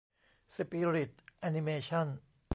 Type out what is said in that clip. สปิริตแอนิเมชั่น